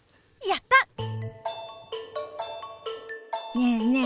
ねえねえ